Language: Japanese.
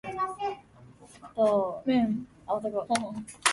二人は同時に返事をした。